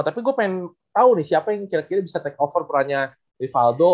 tapi gue pengen tahu nih siapa yang kira kira bisa take over perannya rivaldo